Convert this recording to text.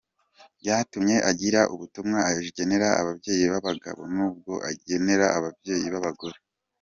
Byatumye agira ubutumwa agenera abayeyi b’ abagabo n’ ubwo agenera ababyeyi b’ abagore.